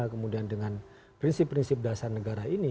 kemudian dengan prinsip prinsip dasar negara ini